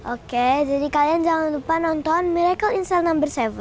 oke jadi kalian jangan lupa nonton miracle in cell no tujuh